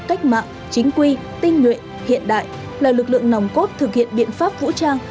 cách mạng chính quy tinh nhuệ hiện đại là lực lượng nòng cốt thực hiện biện pháp vũ trang